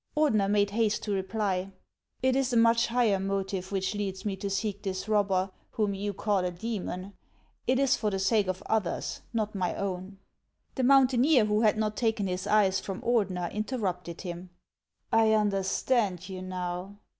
Ordeuer made haste to reply :" It is a much higher motive which leads me to seek this robber whom you call a demon ; it is for the sake of others, not my own The mountaineer, who had not taken his eyes from Ordener, interrupted him. " I understand you now.